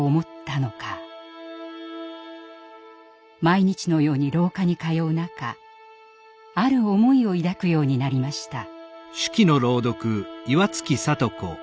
毎日のように廊下に通う中ある思いを抱くようになりました。